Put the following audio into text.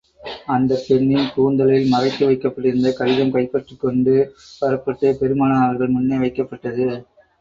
அந்தப் பெண்ணின் கூந்தலில் மறைத்து வைக்கப்பட்டிருந்த கடிதம் கைப்பற்றிக் கொண்டு வரப்பட்டு, பெருமானார் அவர்கள் முன்னே வைக்கப்பட்டது.